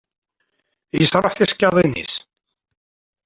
Yesṛuḥ tisekkadin-nnes.